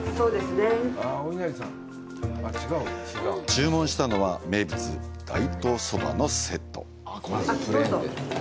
注文したのは、名物「大東そば」のセット。